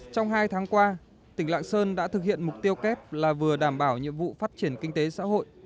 trong hai tháng qua tỉnh lạng sơn đã thực hiện mục tiêu kép là vừa đảm bảo nhiệm vụ phát triển kinh tế xã hội